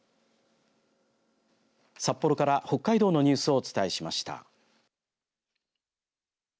札幌から北海道のニュースをお伝えしました。